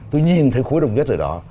tôi nhìn thấy khối đồng nhất ở đó